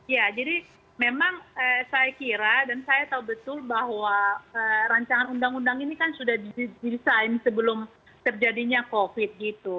ya jadi memang saya kira dan saya tahu betul bahwa rancangan undang undang ini kan sudah didesain sebelum terjadinya covid gitu